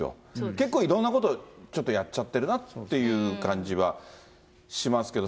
結構いろんなこと、ちょっとやっちゃってるなという感じはしますけど。